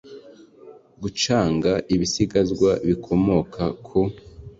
gucunga ibisigazwa bikomoka ku